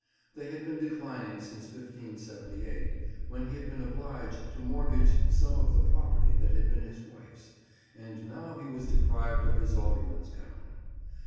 They had been declining since 1578, when he had been obliged to mortgage some of the property that had been his wife's, and now he was deprived of his alderman's gown.